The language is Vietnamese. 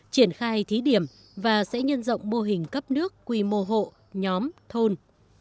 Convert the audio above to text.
triển khai thí điểm và sẽ nhân rộng mô hình cấp nước quy mô hộ nhóm thôn